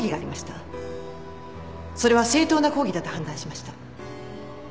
それは正当な抗議だと判断しました。